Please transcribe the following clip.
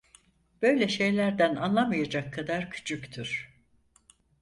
Böyle şeylerden anlamayacak kadar küçüktür.